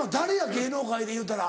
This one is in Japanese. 芸能界でいうたら。